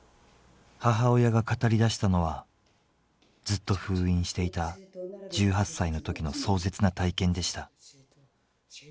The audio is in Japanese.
母親が語り出したのはずっと封印していた１８歳の時の壮絶な体験でした。